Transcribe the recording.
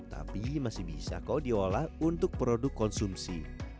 tapi masih bisa kok diolah untuk produk konsumsi